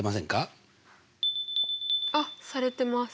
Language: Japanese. あっされてます！